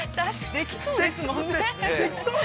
できそうですもんね。